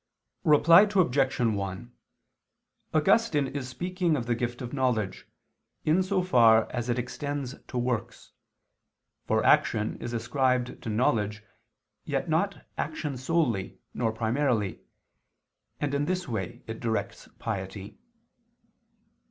Reply Obj. 1: Augustine is speaking of the gift of knowledge, in so far as it extends to works; for action is ascribed to knowledge, yet not action solely, nor primarily: and in this way it directs piety.